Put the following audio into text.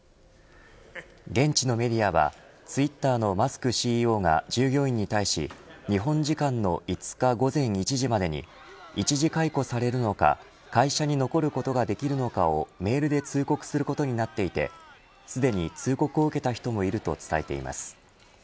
現地のメディアはツイッターのマスクＣＥＯが従業員に対し日本時間の５日午前１時までに一時解雇されるのか会社に残ることができるのかをメールで通告することになっていてすでに通告を受けた人もいると伝えています。